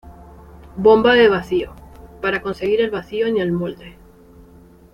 Bomba de vacío: para conseguir el vacío en el molde.